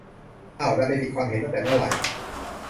เอ๊า ดันไปปิดความเห็นตั้งแต่เมื่อไหร่